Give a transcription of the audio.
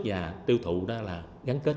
và tiêu thụ đó là gắn kết